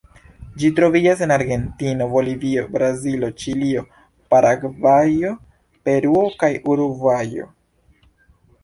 Ĝi troviĝas en Argentino, Bolivio, Brazilo, Ĉilio, Paragvajo, Peruo kaj Urugvajo.